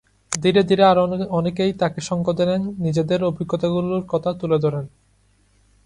ধীরে ধীরে আরও অনেকেই তাঁকে সঙ্গ দেন, নিজেদের অভিজ্ঞতাগুলোর কথা তুলে ধরেন।